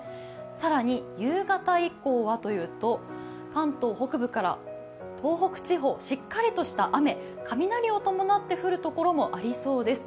更に、夕方以降はというと、関東北部から東北地方しっかりとした雨、雷を伴って降る所もありそうです。